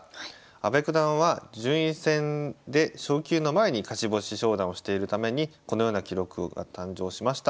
阿部九段は順位戦で昇級の前に勝ち星昇段をしているためにこのような記録が誕生しました。